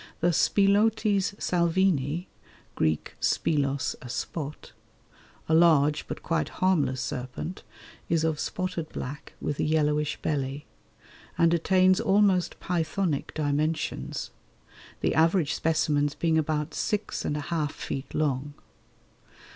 The Spilotes Salvini (Greek [Greek: spilos], a spot), a large but quite harmless serpent, is of spotted black with a yellowish belly, and attains almost pythonic dimensions, the average specimens being about six and a half feet long.